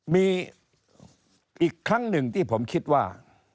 มีอีกครั้งหนึ่งที่ผมคิดว่า